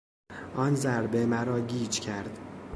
آن ضربه مرا گیج کرد.